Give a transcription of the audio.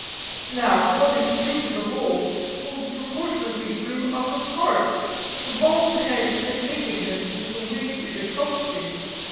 Now, what is true of the whole, holds proportionably true of the part. The bald head is a nakedness which the wig is a coat to.